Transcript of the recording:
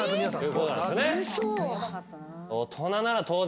嘘。